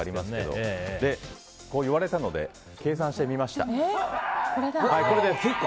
そう言われたので計算してみました。